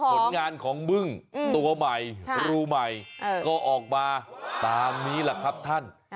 ผลงานของบึ้งตัวใหม่รูใหม่ก็ออกมาตามนี้แหละครับท่าน